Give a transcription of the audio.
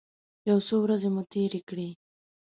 یو څو ورځې مو تېرې کړې.